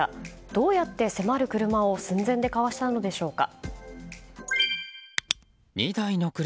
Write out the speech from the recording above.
どうやって迫る車を寸前でかわしたのでしょうか。